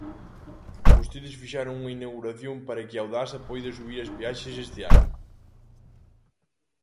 Vostedes fixeron unha inauguración para que Audasa poida subir as peaxes este ano.